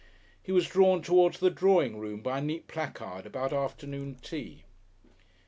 He was drawn towards the drawing room by a neat placard about afternoon tea.